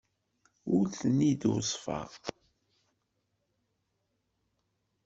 Ur ten-id-weṣṣfeɣ.